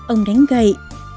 ông đánh gậy